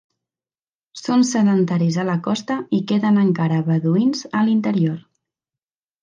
Són sedentaris a la costa i queden encara beduïns a l'interior.